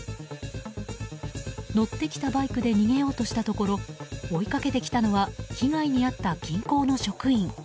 乗ってきたバイクで逃げようとしたところ追いかけてきたのは被害に遭った銀行の職員。